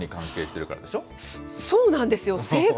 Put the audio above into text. そうなんですよ、正解。